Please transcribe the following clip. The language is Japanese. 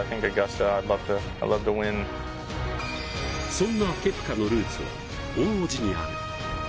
そんなケプカのルーツは大おじにある。